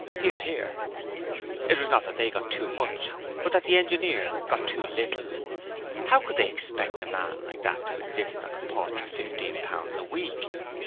(Hear, hear.) It was not that they got too much but that the Engineer got too little. How could they expect a man like that to exist on a paltry fifteen pounds a week?